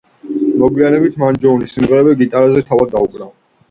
მოგვიანებით მან ჯოუნსს სიმღერები გიტარაზე თავად დაუკრა.